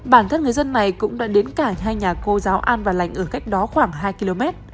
bản thân người dân này cũng đã đến cảng hai nhà cô giáo an và lành ở cách đó khoảng hai km